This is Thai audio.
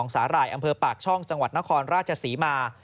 จากช่องจังหวัดนครราชศรีมา